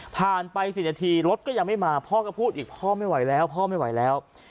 ไป๔นาทีรถก็ยังไม่มาพ่อก็พูดอีกพ่อไม่ไหวแล้วพ่อไม่ไหวแล้ว